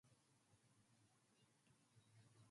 It is located about south of the town of Kingston.